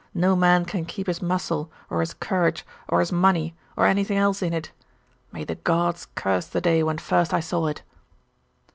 no man can keep his muscle, or his courage, or his money, or anything else in it. May the gods curse the day when first I saw it!